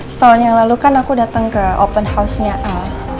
setahun yang lalu kan aku datang ke open house nya a